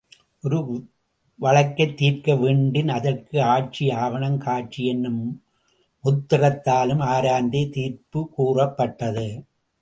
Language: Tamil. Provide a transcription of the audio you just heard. ஒரு வழக்கைத் தீர்க்க வேண்டின் அதற்கு ஆட்சி, ஆவணம், காட்சி என்னும் முத்திறத்தாலும் ஆய்ந்தே தீர்ப்புக் கூறப்பட்டது.